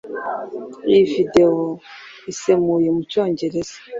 iyi video isemuye mu cyongereza